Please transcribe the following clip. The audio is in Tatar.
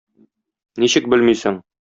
Ничек белмисең?